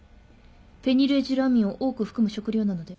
フェニルエチルアミンを多く含む食料なので。